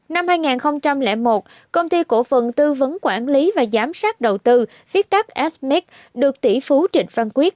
năm hai nghìn một công ty cổ phận tư vấn quản lý và giám sát đầu tư viết tác s mec được tỷ phú trịnh văn quyết